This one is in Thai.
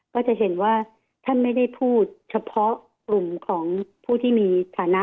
ก็จะเห็นว่าท่านไม่ได้พูดเฉพาะกลุ่มของผู้ที่มีฐานะ